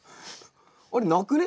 あれなくね？